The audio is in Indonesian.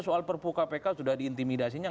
soal perpuka pk sudah diintimidasinya